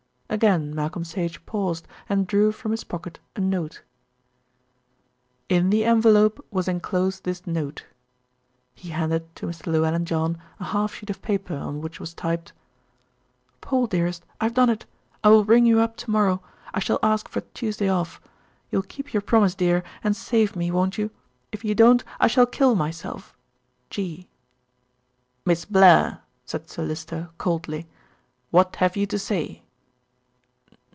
Again Malcolm Sage paused and drew from his pocket a note. "In the envelope was enclosed this note." He handed to Mr. Llewellyn John a half sheet of paper on which was typed: "Paul, dearest, I have done it. I will ring you up to morrow. I shall ask for Tuesday off. You will keep your promise, dear, and save me, won't you? If you don't I shall kill myself. G." "Miss Blair," said Sir Lyster coldly, "what have you to say?"